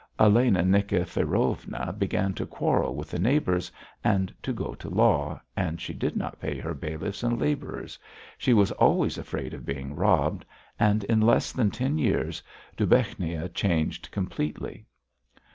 Elena Nikifirovna began to quarrel with the neighbours and to go to law, and she did not pay her bailiffs and labourers; she was always afraid of being robbed and in less than ten years Dubechnia changed completely.